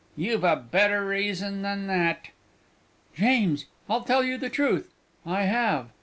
You've a better reason than that!" "James, I'll tell you the truth; I have.